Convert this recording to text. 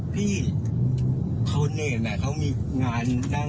พี่เขาเน่นน่ะเขามีงานจ้าง